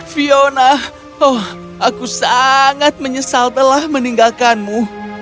fiona oh aku sangat menyesal telah meninggalkanmu